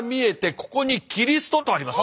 ここに「キリスト」とあります。